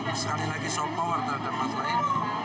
sekali lagi so power terhadap masalah ini